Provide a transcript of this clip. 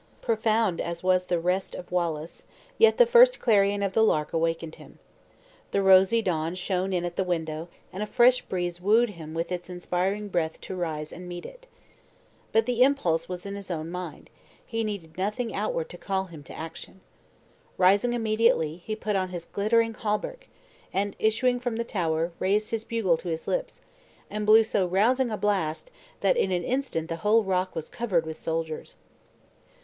Profound as was the rest of Wallace, yet the first clarion of the lark awakened him. The rosy dawn shone in at the window, and a fresh breeze wooed him with its inspiring breath to rise and meet it. But the impulse was in his own mind; he needed nothing outward to call him to action. Rising immediately, he put on his glittering hauberk; and issuing from the tower, raised his bugle to his lips, and blew so rousing a blast, that in an instant the whole rock was covered with soldiers.